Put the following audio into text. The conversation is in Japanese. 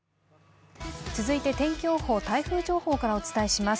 続いて天気予報、台風情報からお伝えします。